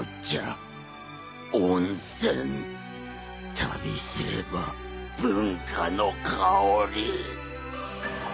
旅すれば文化の薫り。